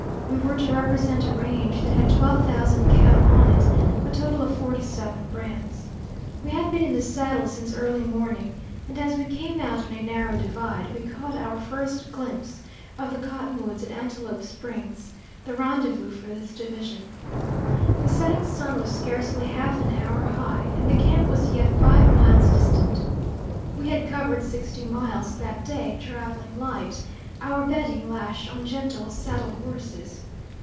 We were to represent a range that had twelve thousand cattle on it, a total of forty seven brands. We had been in the saddle since early morning, and as we came out on a narrow divide, we caught our first glimpse of the Cottonwoods at Antelope Springs, the rendezvous for this division. The setting sun was scarcely half an hour high, and the camp was yet five miles distant. We had covered sixty miles that day, traveling light, our bedding lashed on gentle saddle horses.